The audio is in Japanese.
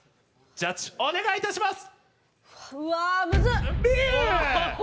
ジャッジお願いします！